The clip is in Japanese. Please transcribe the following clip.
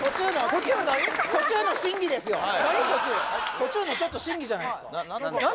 途中のちょっと審議じゃないですか？